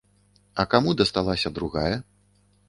А каму дасталася другая?